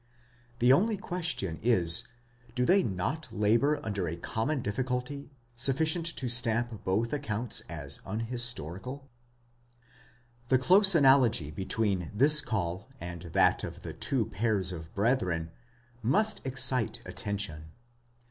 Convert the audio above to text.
The only question is, do they not labour under a common difficulty, sufficient to stamp both accounts as unhistorical ? The close analogy between this call and that of the two pairs of brethren, must excite attention.